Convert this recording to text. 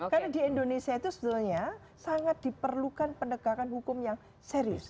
karena di indonesia itu sebetulnya sangat diperlukan pendekatan hukum yang serius